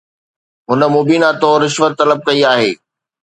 هن مبينا طور رشوت طلب ڪئي آهي